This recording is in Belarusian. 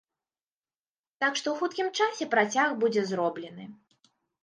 Так што ў хуткім часе працяг будзе зроблены.